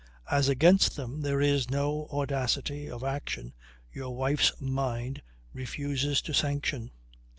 As against them there is no audacity of action your wife's mind refuses to sanction.